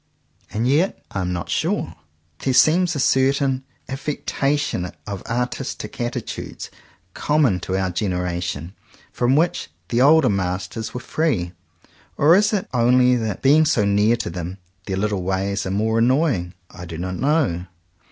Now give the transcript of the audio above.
And yet I am not sure. There seems a certain affectation of artistic attitudes com mon to our generation, from which the older masters were free. Or is it only that, being so near to them, their little ways are more annoying.? I do not know.